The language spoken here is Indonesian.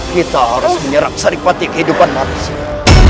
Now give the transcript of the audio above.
kita harus menyerang serik batik kehidupan manusia